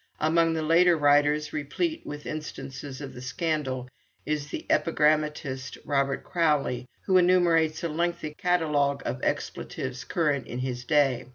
Among the later writers replete with instances of the scandal is the epigrammatist, Robert Crowley, who enumerates a lengthy catalogue of expletives current in his day.